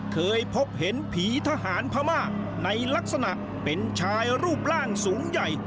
เคยพบเห็นผีทหารพม่าในลักษณะเป็นชายรูปร่างสูงใหญ่